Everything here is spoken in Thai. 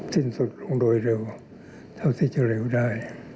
สิ้นสุดลงโดยเร็วเท่าที่จะเร็วได้